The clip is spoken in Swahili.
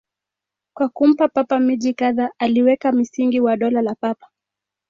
Kwa kumpa Papa miji kadhaa, aliweka msingi wa Dola la Papa.